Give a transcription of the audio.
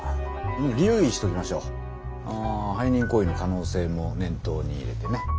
あ背任行為の可能性も念頭に入れてね。